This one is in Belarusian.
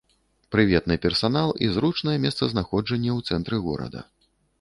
Прыветны персанал і зручнае месцазнаходжанне ў цэнтры горада.